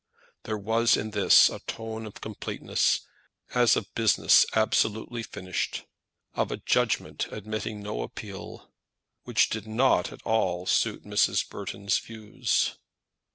There was in this a tone of completeness, as of a business absolutely finished, of a judgment admitting no appeal, which did not at all suit Mrs. Burton's views.